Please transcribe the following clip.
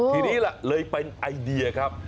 ทีนี้ล่ะเลยเป็นไอเดียครับ